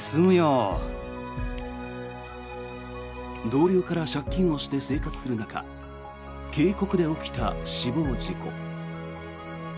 同僚から借金をして生活する中渓谷で起きた死亡事故。